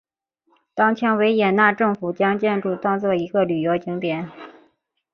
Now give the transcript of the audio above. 当前维也纳政府将建筑当作一个旅游景点。